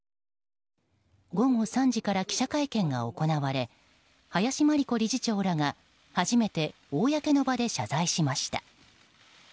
午後３時から記者会見が行われ林真理子理事長らが初めて公の場で謝罪しました。